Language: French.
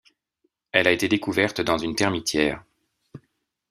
Elle a été découverte dans une termitière.